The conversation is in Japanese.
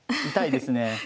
痛いですね。